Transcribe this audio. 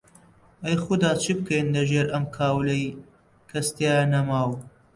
ئەی خودا چ بکەین لەژێر ئەم کاولەی کەس تیا نەماو؟!